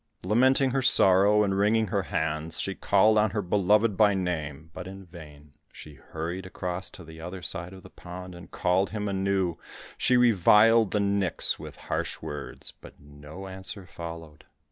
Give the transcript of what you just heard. Lamenting her sorrow, and wringing her hands, she called on her beloved by name, but in vain. She hurried across to the other side of the pond, and called him anew; she reviled the nix with harsh words, but no answer followed.